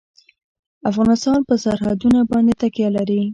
افغانستان په سرحدونه باندې تکیه لري.